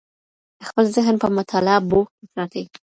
خپل ذهن په مطالعه بوخت وساتئ.